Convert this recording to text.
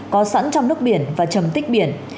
có sẵn trong nước biển và trầm tích biển